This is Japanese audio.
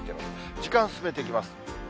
時間進めていきます。